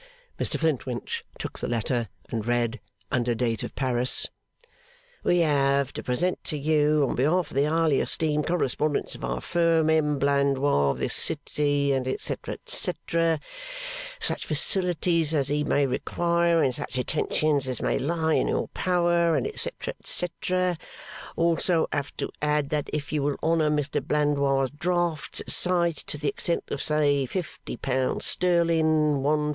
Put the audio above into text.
Mr Flintwinch took the letter, and read, under date of Paris, 'We have to present to you, on behalf of a highly esteemed correspondent of our Firm, M. Blandois, of this city,' &c. &c. 'Such facilities as he may require and such attentions as may lie in your power,' &c. &c. 'Also have to add that if you will honour M. Blandois' drafts at sight to the extent of, say Fifty Pounds sterling (50_l_.)